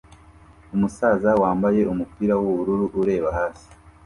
Umusaza wambaye umupira wubururu ureba hasi